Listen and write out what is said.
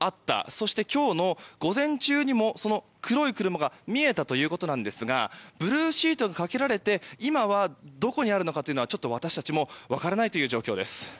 そして今日の午前中にも黒い車が見えたということなんですがブルーシートがかけられて今はどこにあるのかちょっと私たちも分からない状況です。